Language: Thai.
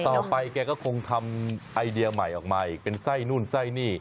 ต่อไปแกก็คงทำไอเดียใหม่ออกมาอีก